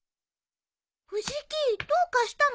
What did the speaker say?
藤木どうかしたの？